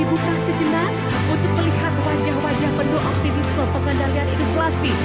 untuk sertifikat ttiuas dua ribu dua puluh satu